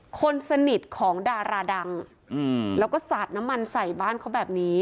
คนสนิทของดาราดังแล้วก็สาดน้ำมันใส่บ้านเขาแบบนี้